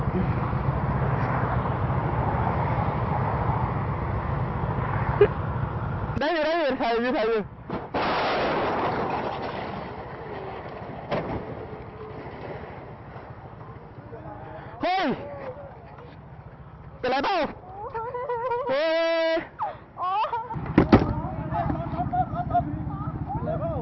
เหมือนจะให้เพื่อนหลักดูแล